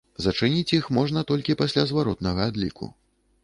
Зачыніць іх можна толькі пасля зваротнага адліку.